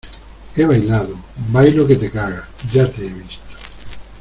he bailado. bailo que te cagas . ya te he visto .